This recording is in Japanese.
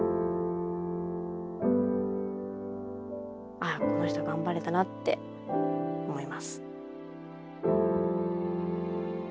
ああこの人がんばれたなって思います。